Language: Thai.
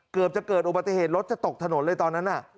เกือบจะเกิดอุบัติเหตุรถจะตกถนนเลยตอนนั้นน่ะ